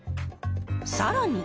さらに。